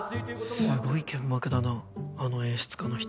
すごいけんまくだなあの演出家の人。